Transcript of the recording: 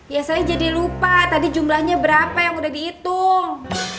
ya saya jadi lupa tadi jumlahnya berapa yang udah dihitung